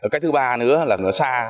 cái thứ ba nữa là xa